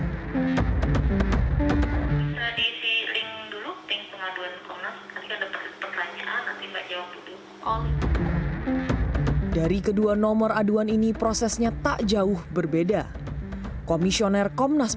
bisa diisi link dulu link pengaduan komnas